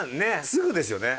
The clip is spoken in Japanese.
すぐですよね。